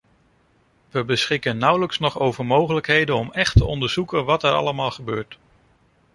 We beschikken nauwelijks nog over mogelijkheden om echt te onderzoeken wat er allemaal gebeurt.